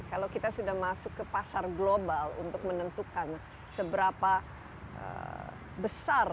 kalau kita sudah masuk ke pasar global untuk menentukan seberapa besar